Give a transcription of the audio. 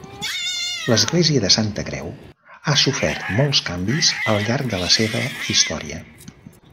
L'església de la Santa Creu ha sofert molts canvis al llarg de la seva història.